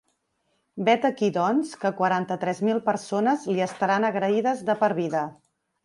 Vet aquí, doncs, que quaranta-tres mil persones li estaran agraïdes de per vida.